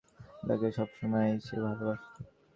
যাকে সবসময়ই সে ভালোবাসত।